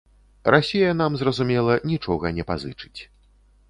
Расія нам, зразумела, нічога не пазычыць.